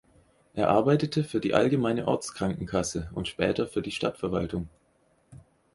Er arbeitete für die Allgemeine Ortskrankenkasse und später für die Stadtverwaltung.